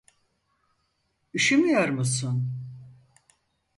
Üşümüyor musun?